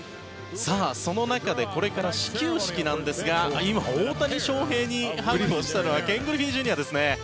その中でこれから始球式なんですが今、大谷翔平にハグをしたのはケン・グリフィーＪｒ．ですね。